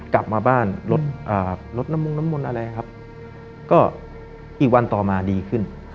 กลับมาบ้านก็ลดน้ำมุงอะไรอีกวันต่อมาดีขึ้น